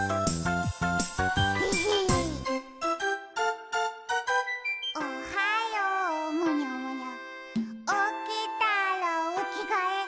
でへへ「おはようむにゃむにゃおきたらおきがえ」